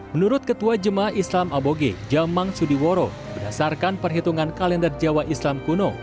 menurut ketua jemaah islam aboge jamang sudiworo berdasarkan perhitungan kalender jawa islam kuno